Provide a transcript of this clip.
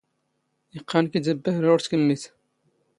ⵉⵇⵇⴰⵏ ⴽ ⵉⴷ ⴰⴷ ⴱⴰⵀⵔⴰ ⵓⵔ ⵜⴽⵎⵎⵉⴷ.